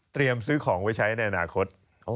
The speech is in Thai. เตรียมซื้อของไว้ใช้ในอนาคต